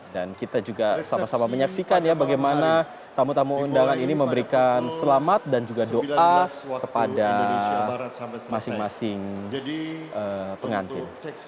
dan kita juga sama sama menyaksikan ya bagaimana tamu tamu undangan ini memberikan selamat dan juga doa kepada masing masing pengantin